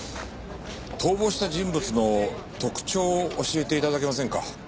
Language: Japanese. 逃亡した人物の特徴を教えて頂けませんか？